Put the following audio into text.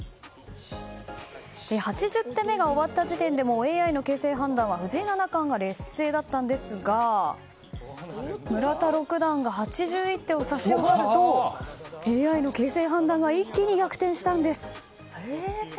８０手目が終わった時点でもＡＩの形勢判断は藤井七冠が劣勢だったんですが村田六段が８１てを指し終わるとＡＩの形勢判断が一気に逆転したんです。